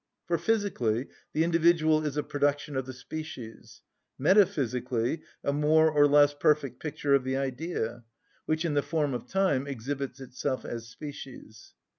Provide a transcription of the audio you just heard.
For physically the individual is a production of the species, metaphysically a more or less perfect picture of the Idea, which, in the form of time, exhibits itself as species.